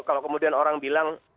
kalau kemudian orang bilang